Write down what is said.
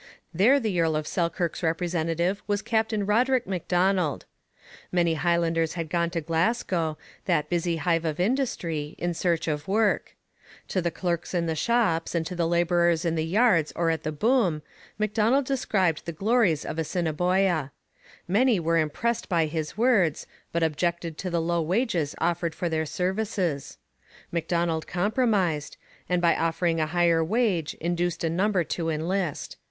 There the Earl of Selkirk's representative was Captain Roderick M'Donald. Many Highlanders had gone to Glasgow, that busy hive of industry, in search of work. To the clerks in the shops and to the labourers in the yards or at the loom, M'Donald described the glories of Assiniboia. Many were impressed by his words, but objected to the low wages offered for their services. M'Donald compromised, and by offering a higher wage induced a number to enlist.